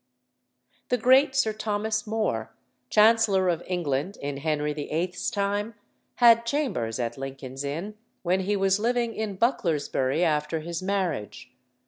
The great Sir Thomas More, Chancellor of England in Henry VIII.'s time, had chambers at Lincoln's Inn when he was living in Bucklersbury after his marriage.